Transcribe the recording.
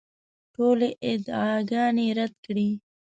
ټولې ادعاګانې رد کړې.